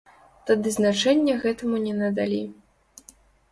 Тады значэння гэтаму не надалі.